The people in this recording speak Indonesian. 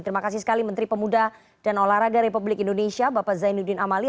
terima kasih sekali menteri pemuda dan olahraga republik indonesia bapak zainuddin amali